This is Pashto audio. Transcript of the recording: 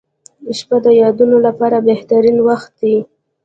• شپه د یادونو لپاره بهترین وخت دی.